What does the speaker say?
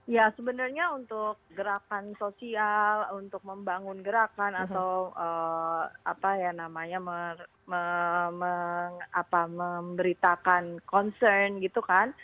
ya sebenarnya untuk gerakan sosial untuk membangun gerakan atau apa ya namanya memberitakan concern gitu kan